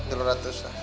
tiga ratus tak